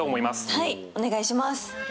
はいお願いします。